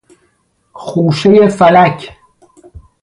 خوشه فلک